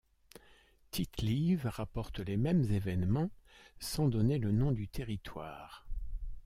Tite-Live rapporte les mêmes événements sans donner le nom du territoire.